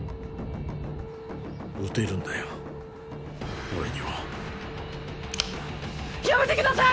撃てるんだよ俺にはやめてください！